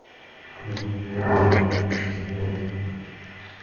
স্থানীয় বাসিন্দাদের অনেকের দাবি, অভিযানের সময় তাঁরা সেখানে বিস্ফোরণের শব্দ শুনেছেন।